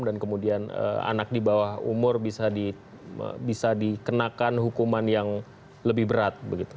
dan kemudian anak di bawah umur bisa dikenakan hukuman yang lebih berat